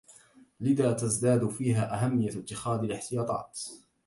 لذا تزداد فيها أهمية اتخاذ الاحتياطات